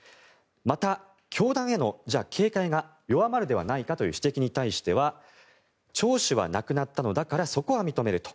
また、教団への警戒が弱まるではないかという指摘に対しては聴取はなくなったのだからそこは認めると。